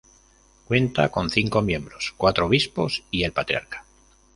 Cuenta con cinco miembros: cuatro obispos y el patriarca.